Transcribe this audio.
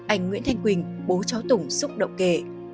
anh nguyễn thanh quỳnh bố cháu tùng xúc động kề